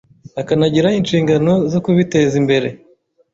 akanagira inshingano zo kubiteza imbere